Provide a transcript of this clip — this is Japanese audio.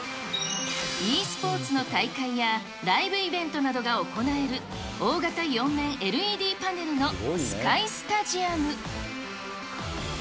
ｅスポーツの大会や、ライブイベントなどが行える大型４面ＬＥＤパネルのスカイスタジアム。